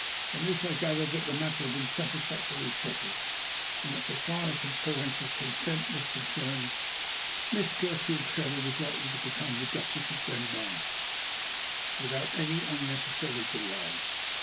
From this I gathered that the matter had been satisfactorily settled, and that, so far as parental consent was concerned, Miss Gertrude Trevor was likely to become the Duchess of Glenbarth without any unnecessary delay.